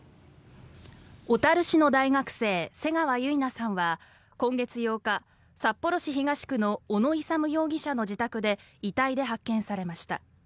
小樽市の大学生瀬川結菜さんは、今月８日札幌市東区の小野勇容疑者の自宅で遺体で発見されました。